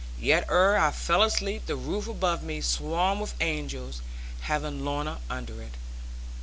Yet ere I fell asleep the roof above me swarmed with angels, having Lorna under it.